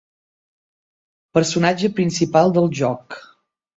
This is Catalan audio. Personatge principal del joc.